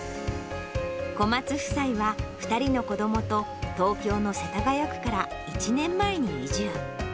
小松夫妻は、２人の子どもと、東京の世田谷区から１年前に移住。